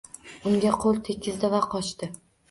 Unga qo‘l tegizdi va qochdi.